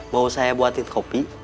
mau saya buatin kopi